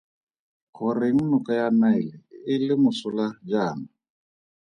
Goreng noka ya Nile e le mosola jaana?